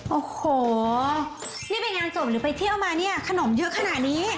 โอ้โหนี่ไปงานศพหรือไปเที่ยวมาเนี่ยขนมเยอะขนาดนี้